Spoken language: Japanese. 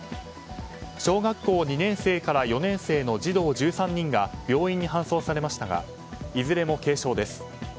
小学校２年生から４年生の児童１３人が病院に搬送されましたがいずれも軽症です。